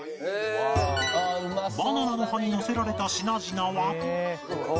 バナナの葉にのせられた品々は